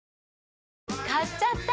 買っちゃった！